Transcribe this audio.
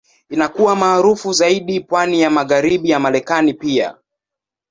Inakuwa maarufu zaidi pwani ya Magharibi ya Marekani pia.